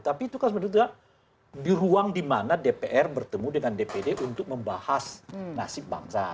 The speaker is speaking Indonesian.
tapi itu kan sebenarnya di ruang di mana dpr bertemu dengan dpd untuk membahas nasib bangsa